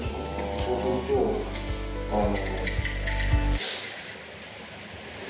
そうすると、あの。